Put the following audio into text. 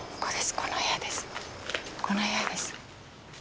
この部屋です。